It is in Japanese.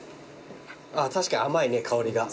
確かに甘いね香りが。